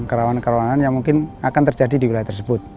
kerawanan kerawanan yang mungkin akan terjadi di wilayah tersebut